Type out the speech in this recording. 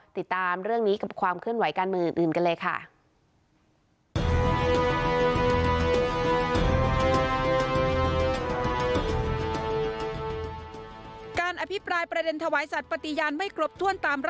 ติดตามเรื่องนี้กับความเคลื่อนไหวการเมืองอื่นกันเลยค่ะ